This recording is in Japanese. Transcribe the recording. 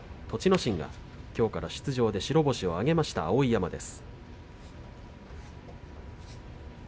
心がきょうから出場で白星を挙げました碧山です。